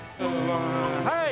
はい！